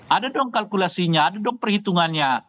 ada dong kalkulasinya ada dong perhitungannya